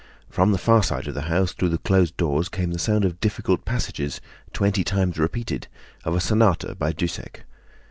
From the far side of the house through the closed doors came the sound of difficult passages—twenty times repeated—of a sonata by Dussek.